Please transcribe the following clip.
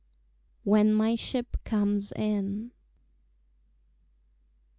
WHEN MY SHIP COMES IN.